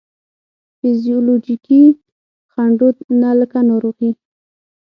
فزیولوجیکي خنډو نه لکه ناروغي،